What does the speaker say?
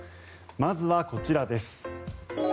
まずはこちらです。